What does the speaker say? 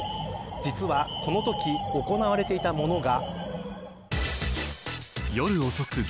実はこのとき行われていたものが。